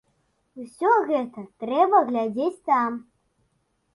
Усё гэта трэба глядзець там.